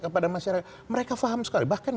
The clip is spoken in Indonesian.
kepada masyarakat mereka paham sekali bahkan